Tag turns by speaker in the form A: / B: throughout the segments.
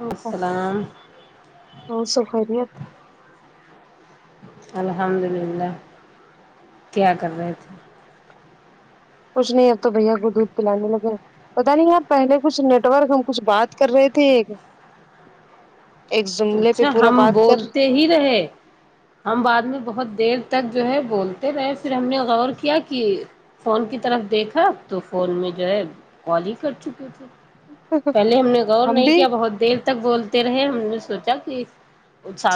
A: و السلام
B: ہ س خریت
A: الحمد للہ کیا کر رہے تھے
B: کچھ نہیں اب تو بھیا کو دودھ پلانے لگے پتا نہیں یار پہلے کچھ نیٹ ورک ہم کچھ بات کر رہے تھے ایک جملے پہ
A: اچھا
B: پورا
A: ہم
B: بات کر
A: بولتے ہی رہے ہم بعد میں بہت دیر تک جو ہے بولتے رہے پھر ہم نے غور کیا کہ فون کی طرف دیکھا ا تو فون میں جو ہے کال ہی کر چکے تھے پہلے ہم نے غور نہیں کیا بہت دیر تک بولتے رہے ہم نے سوچا کہ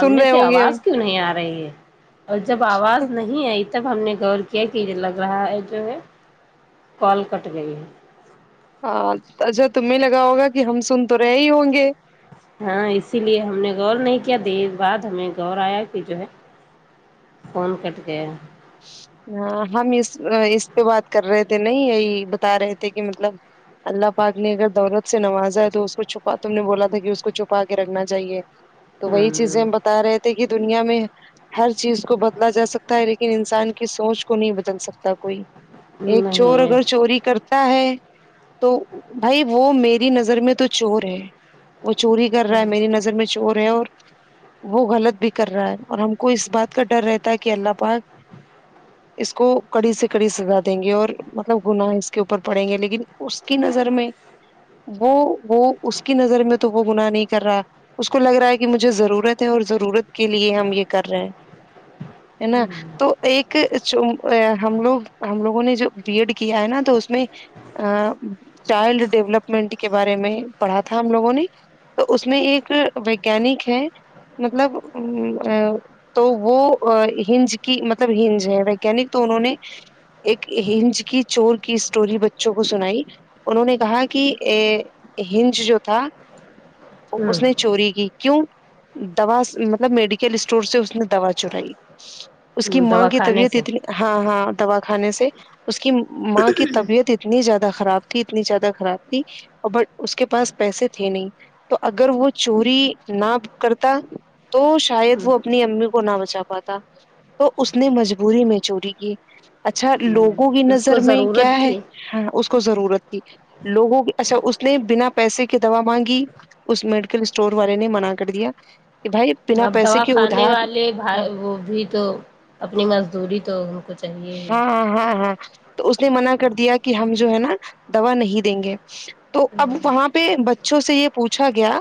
B: سن رہے
A: سے
B: ہوں گے ہم
A: آواز کیوں نہیں آ رہی ہے اور جب آواز نہیں آئی تب ہم نے غور کیا کہ یہ لگ رہا ہے جو ہے کال کٹ گئی ہے
B: ہاں اجا تمیں لگا ہوگا کہ ہم سن تو رہے ہی ہوں گے
A: ہاں اسی لیے ہم نے غور نہیں کیا دیر بعد ہمیں غور آیا کہ جو ہے فون کٹ کے
B: ہاں ہم اس اس پہ بات کر رہے تھے نہیں یہی بتا رہے تھے کہ مطلب اللہ پاک نے اگر دولت سے نوازا ہے تو اس کو چھپا تم نے بولا تھا کہ اس کو چھپا کے رکھنا چاہیے
A: جچ
B: تو وہی چیزیں ہم بتا رہے تھے کہ دنیا میں ہر چیز کو بدلا جا سکتا ہے لیکن انسان کی سوچ کو نہیں بدل سکتا کوئی ایک چور
A: نہیں
B: اگر چوری کر ہے تو بھائی وہ میری نظر میں تو چور ہے وہ چوری کر رہا ہے میری نظر میں چور ہے اور وہ غلط بھی کر رہا ہے اور ہم کو اس بات کا ڈر رہتا ہے کہ اللہ پاک اس کو کڑی سے کڑی سزا دیں گے اور مطلب گناہ اس کے اوپر پڑیں گے لیکن اس کی نظر میں وہ وہ اس کی نظر میں تو وہ گناہ نہیں کر رہا اس کو لگ رہا ہے کہ مجھے ضرورت ہے اور ضرورت کے لیے ہم یہ کر رہے ہیں ہے نا تو ایک ہم لوگ ہم لوگوں نے جو بی ایڈ کیا ہے نا تو اس میں چائلڈ ڈیولپمنٹ کے بارے میں پڑھا تھا ہم لوگوں نے تو اس میں ایک ویگانک ہے مطلب ا تو وہ ہج کی مطلب ج ہے ویانک تو انہوں نے ایک ہج کی چور کی اسٹور بچوں کو سنائی انہوں نے کہا کہ ا ہنج جو تھا اس نے
A: ہوں
B: چوری کی کیوں دوا مطلب میڈیکل اسٹور سے اس نے دوا چرائی کہ ماں
A: دوا
B: کی
A: کھانے
B: طبیعت
A: سے
B: اتنی ہاں ہاں دوا کھانے سے اس کی ماں کی طبیعت اتنی زیادہ خراب تھی اتنی زیادہ خراب تھی اور بٹ اس کے پاس پیسے تھے نہیں تو اگر وہ چوری نہ کرتا تو شاید وہ اپنی امی کو نہ بچا پاتا تو اس نے مجبوری میں چوری کی اچھا لوگوں کی
A: اس کو
B: نظر میں کیا
A: ضرورت
B: ہے
A: تھی
B: اس کو ضرورت کی لوگوں اچھا اس نے بنا پیسے کی دوا مانگی اس میڈیکل اسٹور بارے نے منع کر دیا کہ بھائی بنا
A: اب
B: پیسے
A: دوا
B: کے
A: کھانے
B: ادھار
A: والے بھائی وہ بھی تو اپنی مزدوری تو کھ
B: ہاںاں ہاں ہاں تو اس نے منع کر دیا کہ ہم جو ہے نا دوا نہیں دیں گے تو اب وہاں پہ بچوں سے یہ پوچھا گیا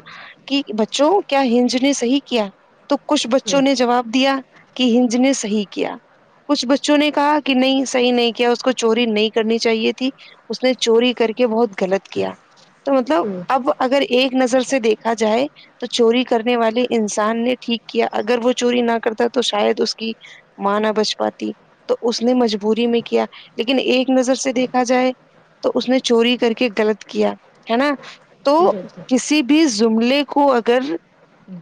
B: کہ بچوں کیا ہج نے صحیح کیا تو کچھ بچوں نے جواب دیا کہ ہج نے صحیح کیا کچھ بچوں چوں نے کہا کہ نہیں صحیح نہیں کیا اس کو چوری نہیں کرنی چاہیے تھی اس نے چوری کر کے بہت غلط کیا تو مطلب اب اگر ایک نظر سے دیکھا جائے تو چوری کرنے والے انسان نے ٹھیک کیا اگر وہ چوری نہ کرتا تو شاید اس کی مانا بچپات تو اس نے مجبوری میں کیا لیکن ایک نظر سے دیکھا جائے تو اس نے چوری کر کے غلط کیا ہے نا تو کسی بھی زملے کو اگر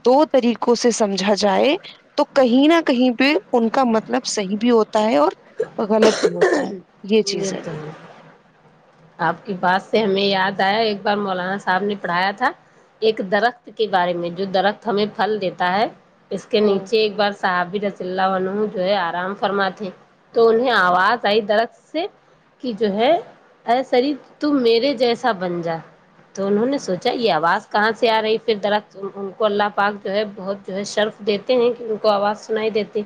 B: دو طریقوں سے سمجھا جائے تو کہیں نہ کہیں پہ ان کا مطلب صحیح بھی ہوتا ہوتا ہے اور وہ غلط بھی ہوتا ہے یہ
A: د
B: چیز
A: ہے آپ کی بات سے ہمیں یاد آیا ایک بار مولانا صاحب نے پڑھایا تھا ایک درخت کے بارے میں جو درخت ہمیں پھل دیتا ہے اس کے
B: ہوں
A: نیچے ایک بار صحاب رس اللہ عن جو ہے آرام فرماتے تو انہیں آواز آئی درخ سے کہ جو ہے ارے سری تم میرے جیسا بن جا تو انہوں نے سوچا یہ آواز کہاں سے آ رہی پھر دراص ان کو اللہ پاک جو ہے بہت جو ہے شرف دیتے ہیں کہ ان کو آواز سنائی دیتے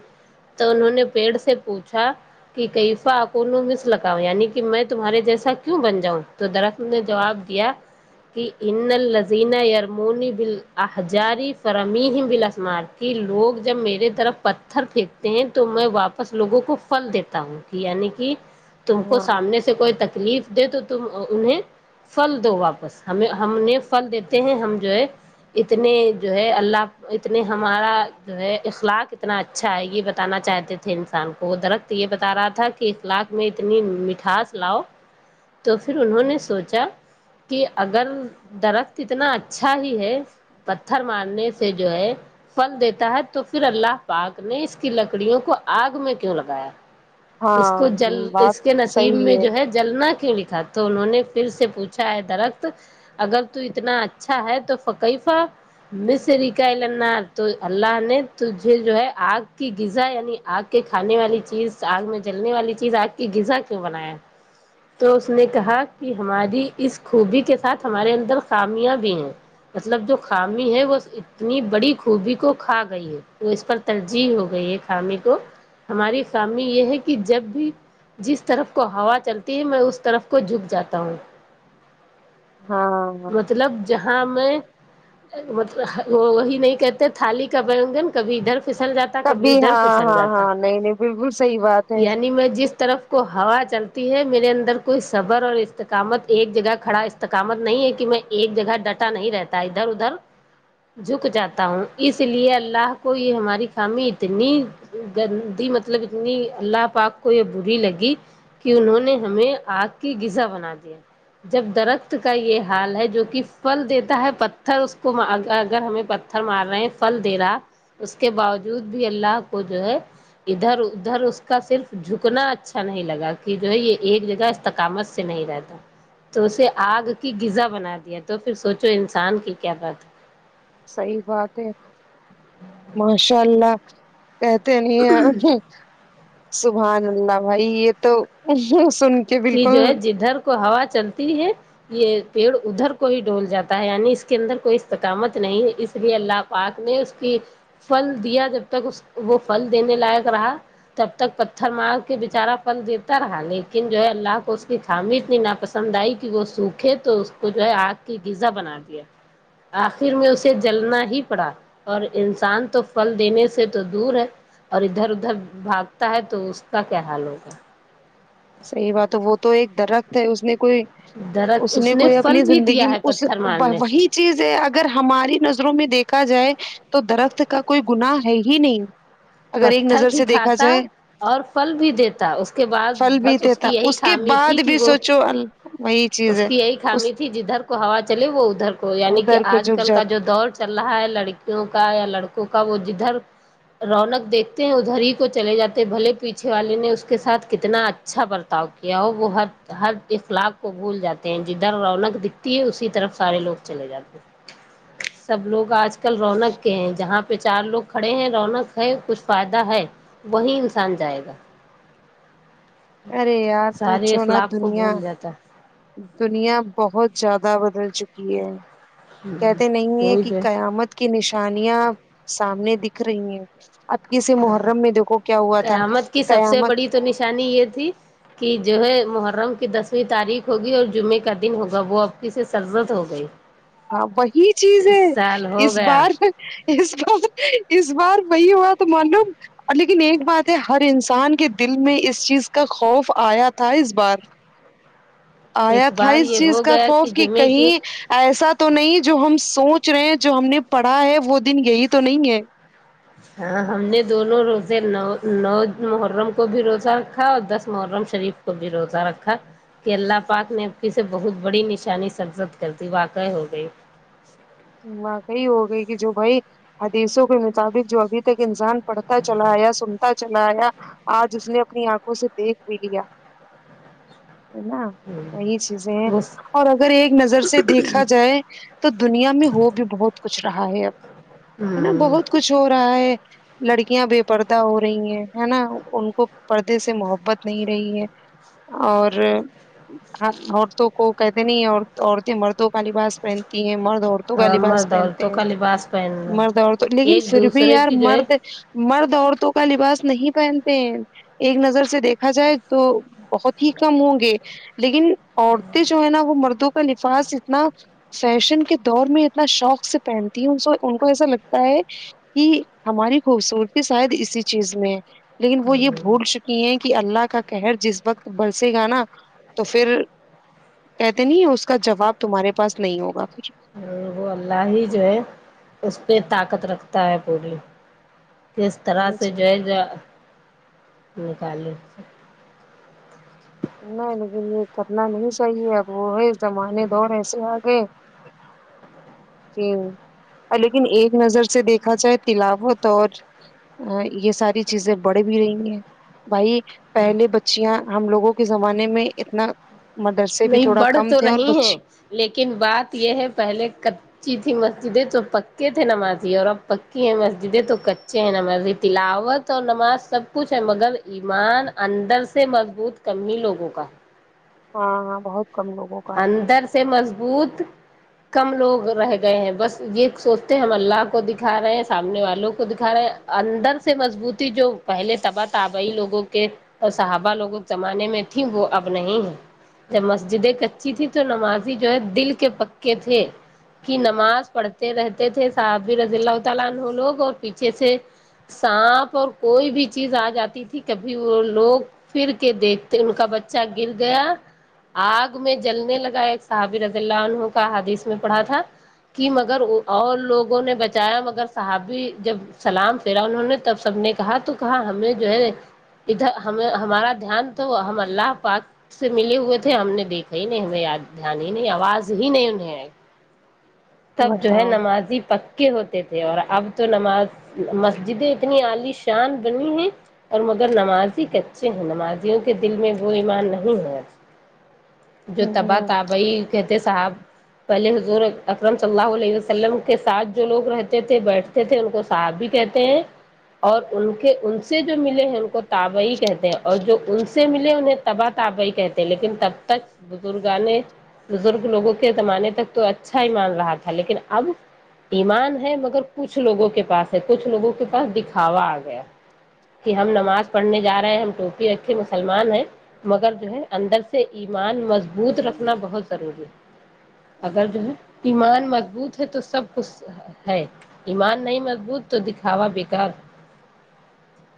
A: تو انہوں نے پیڑ سے پوچھا کہ کفا کو مس لگتا یعنی کہ میں تمہارے جیسا کیوں ب جاؤں تو دراخصل نے جواب دیا کی ان النزینہ یرمونی بل احجاری فرمین بللاثمان کہ لوگ جب میرے طرف پتھر پھینکتے ہیں تو میں واپس لوگوں کو پھل دیتا ہوں یعنی کہ تم کو
B: ہاں
A: سامنے سے کوئی تکلیف دے تو تم انہیں فھل دو واپس ہمیں ہم نے فھل دیتے ہیں ہم جو ہے اتنے جو ہے اللہ اتنے ہمارا جو ہے اخلاق اتنا اچا اچھا یہ بتانا چاہتے تھے انسان کو وہ درخت یہ بتا رہا تھا کہ اخلاق میں اتنی مٹھاس لاؤ تو پھر انہوں نے سوچا کہ اگر درخت اتنا اچھا ہی ہے پتھر مارنے سے جو ہے فھل دیتا ہے تو پھر اللہ پاک نے اس کی لکڑیوں کو آگ میں کیوں لگایا اس کو
B: ہاں
A: جل
B: بات
A: اس کے نصیب
B: صحیح
A: میں جو ہے جلنا کیوں لکھا تو انہوں نے پھر سے پوچھا ہے درخت اگر تو اتنا اچھا ہے تو فقیفہ مس رار تو اللہ نے تجھے جو ہے آگ کی غذا یعنی آگ کے کھانے والی چیز آگ میں جلنے والی چیز آگ کی غذا کیوں بنایا تو اس نے کہا کہ ہماری اس خوبی کے ساتھ ہمارے اندر خامیاں بھی ہیں مطلب جو خامی ہے وہ اتنی بڑی خوبی کو کھا گئی ہے وہ اس پر ترجیح ہو گئی ہے خامی کو ہماری خامی یہ ہے کہ جب بھی جس طرف کو ہوا چلتی ہے میں اس طرف کو جک جاتا ہوں
B: ہاں ہاں
A: مطلب جہاں میں مطلب وہ وہی نہیں کہتے تھالی کا بینگن کبھی ادھر پھسل جا کبھی ادھر
B: ہاں
A: پھسل
B: ہاں
A: جاتا
B: ہاں نہیں نہیں بالکل صحیح بات ہے
A: یعنی میں جس طرف کو ہوا چلتی ہے میرے اندر کوئی صبر اور استقامت ایک جگہ کھڑا تو کامت نہیں ہے کہ میں ایک جگہ ڈٹا نہیں رہتا ادھر ادھر جھک جاتا ہوں اس لیے اللہ کو یہ ہماری خامی اتنی گندی مطلب اتنی اللہ پاک کوئی بری لگی کہ انہوں نے ہمیں آگ کی غذا بنا دیا جب درخت کا یہ حال ہے جو کہ فھل دیتا ہے پتھر اس کو اگر ہمیں پتھر مار رہے ہیں پھل دے رہا اس کے باوجود بھی اللہ کو جو ہے ادھر ادھر اس کا صرف جک اتنا اچھا نہیں لگا کہ جو ہے یہ ایک جگہ استقامت سے نہیں رہتا تو اسے آگ کی غذا بنا دیا تو پھر سوچو انسان کی کیا بات ہے
B: صحیح بات ہے ماشاء اللہ کہتے نہیں سبحان اللہ بھائی یہ تو سن کے
A: کہ
B: بالکل
A: جو ہے جدھر کو ہوا چلتی ہے یہ پیڑ ادھر کو ہی ڈول جاتا ہے یعنی اس کے اندر کوئی استقامت نہیں ہے اس لیے اللہ پاک نے اس کی فھل دیا جب تک اس وہ فھل دینے لائق رہا تب تک پتھر مار کے بیچارا پن دیتا رہا لیکن جو ہے اللہ کو اس کی خامی اتنی ناپسند آئی کہ وہ سوکھے تو اس کو جو ہے آگ کی غذا بنا دیا آخر میں اسے جلنا ہی پڑا اور انسان تو پل دینے سے تو دور ہے اور ادھر ادھر بھاگتا ہے تو اس کا کیا حال ہوگا
B: صحیح بات ہے وہ تو ایک درخت ہے اس نے کوئی
A: درخت
B: اس نے کوئی
A: پھل
B: اپنی
A: بھی
B: زندگی
A: دیا
B: میں
A: ہے
B: اس
A: پتھر مارنے سے
B: وہی چیز ہے اگر ہماری نظروں میں دیکھا جائے تو درخت کا کوئی گنااہ ہے ہی نہیں اگر ایک
A: پتھر
B: نظر
A: بھی
B: سے دیکھا
A: کھاتا
B: جائے
A: اور پھل بھی دیتا اس کے بعد
B: پھل بھی
A: بس اس کی
B: دیتا
A: یہی
B: کے
A: خامی تھی
B: بعد
A: کہ
B: بھی
A: وہ
B: سوچو وہی چیز
A: اس
B: ہے
A: کی یہی خامی
B: اس
A: تھی جدھر کو ہوا چلے وہ ادھر کو یعنی کہ
B: ادھر کو
A: آج
B: جھک
A: کل کا
B: جاتا
A: جو دور چل رہا ہے لڑکیوں کا یا لڑکوں کا وہ جدھر رونق دیکھتے ہیں ادھر ہی کو چلے جاتے ہیں بھلے پیچھے والے نے اس کے ساتھ کتنا اچھا برتاؤ کیا اور وہ ہر ہر اخلاق کو بھول جاتے ہیں جدھر رونق دکھتی ہے اسی طرف سارے لوگ چلے جاتے ہیں سب لوگ آج کل رونق کے ہیں جہاں پہ چار لوگ کھڑے ہیں رونق ہے کچھ فائدہ ہے وہی انسان جائے گا
B: ارے یار
A: سارے
B: پوچھو نا
A: اخلاق کو
B: دنیا
A: بھول جاتا
B: دنیا بہت زیادہ بدل چکی ہے کہتے نہیں ہیں
A: وہی
B: کہ
A: جو ہے
B: قیامت کی نشانیاں سامنے دکھ رہی ہیں اب کسی محرم میں دیکھو کیا ہوا تھا
A: قیامت کی سب سے
B: قیامت
A: بڑی تو نشانی یہ تھی کہ جو ہے محرم کی دسویں تاریخ ہوگی اور جمعے کا دن ہوگا وہ اب ج سے سرزت ہو گئی
B: ہاں وہی چیز
A: اس
B: ہے
A: سال ہو
B: اس
A: گیا
B: بار اس بار اس بار وہی ہوا تو مانو اور لیکن ایک بات ہے ہر انسان کے دل میں اس چیز کا خوف آیا تھا اس بار آیا تھا
A: بار
B: اس
A: یہ
B: چیز
A: ہو
B: کا
A: گیا
B: خوف کہ
A: جمعے کی
B: کہیں ایسا تو نہیں جو ہم سوچ رہے ہیں جو ہم نے پڑھا ہے وہ دن یہی تو نہیں ہے
A: ہاں ہم نے دونوں روزے نو نو محرم کو بھی روزہ رکھا اور دس محرم شریف کو بھی روتا رکھا کہ اللہ پاک نے اب کی سے بہت بڑی نشانی سزت کر دی واقع ہو گئی
B: واقعی ہو گئی کہ جو بھائی حادیثوں کے مطابق جو ابھی تک انسان پڑھتا چلا آیا سنتا چلایا آج اس نے اپنی آنکھوں سے دیکھ بھی لیا ہے نا وہی چیزیں ہیں اور اگر ایک نظر سے دیکھا جائے تو دنیا میں وہ بھی بہت کچھ رہا ہے اب ہے نا بہت کچھ ہو رہا ہے لڑکیاں بے پردہ ہو رہی ہیں ہے نا ان کو پردے سے محبت نہیں رہی ہے اور عورتوں کو کہتے نہیں عورتیں مردوں کا لباس پہنتی ہیں مرد تو
A: ہاں
B: گالیباز
A: مرد
B: پہنتے
A: عورتوں
B: ہیں
A: کا لباس پہننا
B: مرد اورت لیکن
A: ایک
B: پھر بھی
A: دوسرے
B: یار
A: کی جو ہے
B: مرد مرد عورتوں کا لباس نہیں پہنتے ہیں ایک نظر سے دیکھا جائے تو بہت ہی کم ہوں گے لیکن عورتیں جو ہے نا وہ مردوں کا لفاس اتنا فیشن کے دور میں اتنا شوق سے پہنتی ہ ان کو ایسا لگتا ہے کہ ہماری خوبصورتی شاید اسی چیز میں ہے لیکن وہ یہ بھول چکے یہ ہیں کہ اللہ کا کہر جس وقت برسے گا نا تو پھر کہتے نہیں اس کا جواب تمہارے پاس نہیں ہوگا
A: اور وہ اللہ ہی جو ہے اس پہ طاقت رکھتا ہے پوری کس طرح سے
B: پھر
A: جو ج نکال
B: نا لیکن یہ کرنا نہیں چاہیے اب وہ ہے زمانے دور ایسے آگئے
A: ا [inaudible]
B: ج لیکن ایک نظر سے دیکھا جائے تلاوت اور ا یہ ساری چیزیں بڑھ بھی رہی ہیں بھائی پہلے بچیاں ہم لوگوں کے زمانے میں اتنا مدرس بھی
A: نہیں
B: تھوڑا
A: بڑھ
B: کم
A: تو
B: تھے اور
A: رہی ہیں
B: بچی
A: لیکن بات یہ ہے پہلے کچی تھی مسجدیں تو پکے تھے نمازی اور اب پکی ہے مسجدیں تو کچے ہیں نمازی تلاوت تو نماز سب کچھ ہے مگر ایمان اندر سے مضبوط کنی لوگوں کا
B: ہاںاں بہت کم لوگوں کا ہے.
A: اندر سے مضبوط کم لوگ رہ گئے ہیں بس یہ سوچتے ہیں ہم اللہ کو دکھا رہے ہیں سامنے والوں کو دکھا رہے ہیں اندر سے مضبوطی جو پہلے تباہ آبی لوگوں کے اور صحابہ لوگوں زمانے میں تیں وہ اب نہیں ہے جب مسجد اچھی تھی تو نمازی جو ہے دل کے پکے تھے کی نماز پڑھتے رہتے تھے صاحابی رضی اللہ تعالی عن لوگ اور پیچھے سے سانپ اور کوئی بھی چیز آ جاتی تھی کبھی وہ لوگ پھر کے دیکھتے ان کا بچہ گر گیا آگ میں جلنے لگا ایک صحابر رضی اللہ انہوں کا حادیث میں پڑھا تھا کی مگر اور لوگوں نے بچایا مگر صحابی جب سلام پرا انہوں نے تب سب نے کہا تو کہا ہمیں جو ہے ادھر ہمیں ہمارا دھیان تو ہم اللہ پاک سے ملے ہوئے تھے ہم نے دیکھے صحی نہیں ہمیں یاد دھیان ہی نہیں آواز ہی نہیں انہیں تب جو ہے
B: بتاؤ
A: نمازی پک ہوتے تھے اور اب تو نماز مسجدیں اتنی علی شان بنی ہے اور مگر نمازی کچے ہیں نمازیوں کے دل میں وہ ایمان نہیں ہے جو
B: ہوں،
A: تباہ تبائی کہتے صاحب پہلے حضور اکرم صلی اللہ علیہ وسلم کے ساتھ جو لوگ رہتے تھے بیٹھ کہ تھ ان کو صاحب بھی کہتے ہیں اور ان کے ان سے جو ملے ہیں ان کو تابی کہتے ہیں اور جو ان سے ملے انہیں تبا تو آپی کہتے لیکن تب تک بزرگان نے بزرگ لوگوں کے زمانے تک تو اچھا ہی مان رہا تھا لیکن اب ایمان ہے مگر کچھ لوگوں کے پاس ہے کچھ لوگوں کے پاس دکھاوا آ گیا کہ ہم نماز پڑھنے جا رہے ہیں ہم ٹوپی اکھے مسلمان ہیں مگر جو ہے اندر سے ایمان مضبوط رکھنا
B: ہوں.
A: بہت ضروری ہے اگر جو ہے ایمان مضبوط ہے تو سب کچھ ہے ایمان نہیں مضبوط تو دکھاوا بےیکار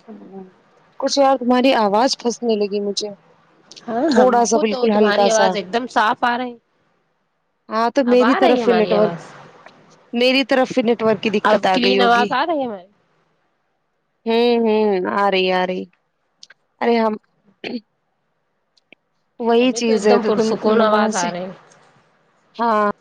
B: ہ کچھ بار تمہاری آواز پھنسنے لگی مجھے
A: ہاں ہم
B: تھوڑا سا
A: کو تو
B: بالکل
A: تمہاری
B: ہلکا سا
A: آواز ایک دم صاف آ رہی
B: ہاں تو
A: اب آ
B: میری طرف
A: رہی ہے
B: سے
A: ہماری
B: نیٹورک
A: آواز
B: میری طرف سے نیٹورک کی دقت
A: اب
B: آ گئی
A: کلین
B: ہوگی
A: آواز آ رہی ہے ہماری
B: ہوں ہوں آ رہی آ رہی ارے ہم وہی
A: ہمیں
B: چیز
A: ایک
B: ہے
A: دم
B: تو تم
A: پرسکون آواز
B: نماز
A: آ رہی ہے۔
B: ہاں